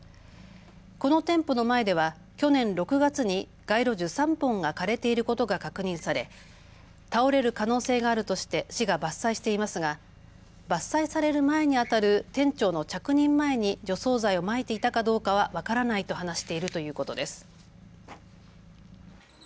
この店舗の前では去年６月に街路樹３本が枯れていることが確認され倒れる可能性があるとして市が伐採していますが伐採される前にあたる店長の着任前に除草剤をまいていたかどうかは分からないと話しているということです。